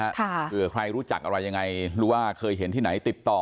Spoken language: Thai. เผื่อใครรู้จักอะไรยังไงหรือว่าเคยเห็นที่ไหนติดต่อ